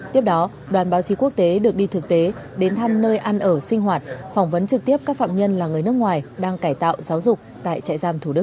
tiếp đó đoàn báo chí quốc tế được đi thực tế đến thăm nơi ăn ở sinh hoạt phỏng vấn trực tiếp các phạm nhân là người nước ngoài đang cải tạo giáo dục tại trại giam thủ đức